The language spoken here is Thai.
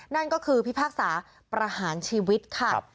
นั่นก็คือพิพากษาประหารชีวิตค่ะ